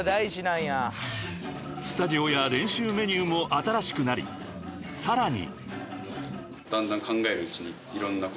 ［スタジオや練習メニューも新しくなりさらに］